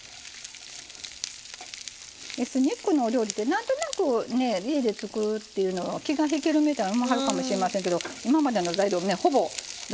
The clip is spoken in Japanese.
エスニックのお料理って何となく家で作るっていうの気がひけるみたいに思わはるかもしれませんけど今までの材料ほぼ大丈夫そうでしょ。